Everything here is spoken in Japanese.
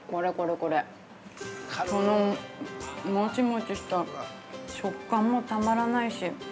このもちもちした食感もたまらないし。